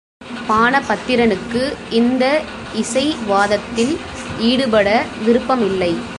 பாணபத்திரனுக்கு இந்த இசைவாதத்தில் ஈடுபட விருப்பம் இல்லை.